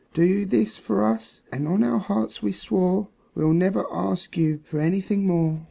Do this for us, and on our hearts we swore We'll never ask you for anything more."